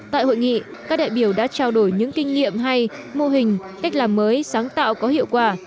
tại hội nghị các đại biểu đã trao đổi những kinh nghiệm hay mô hình cách làm mới sáng tạo có hiệu quả